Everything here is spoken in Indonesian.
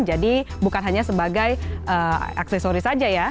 jadi bukan hanya sebagai aksesori saja ya